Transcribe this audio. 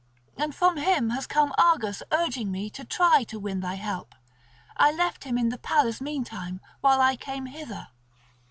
And from him has come Argus urging me to try to win thy help; I left him in the palace meantime while I came hither."